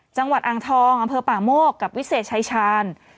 จังหวัดอ่างทองอำเภอป่าโมกกับวิเศษชายชาญ